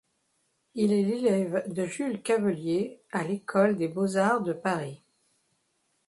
Il est l'élève de Jules Cavelier à l'École des beaux-arts de Paris.